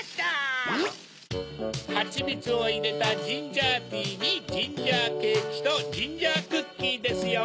ハチミツをいれたジンジャーティーにジンジャーケーキとジンジャークッキーですよ！